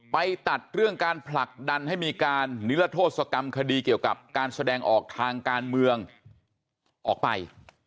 ไปตัดเรื่องการผลักดันให้มีการนิรโทษกรรมคดีเกี่ยวกับการแสดงออกทางการเมืองออกไป